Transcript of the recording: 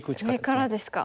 上からですか。